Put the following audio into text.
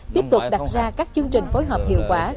tiếp tục đặt ra các chương trình phối hợp hiệu quả